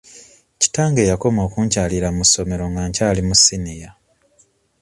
Kitange yakoma okunkyalira ku ssomero nga kyali mu siniya.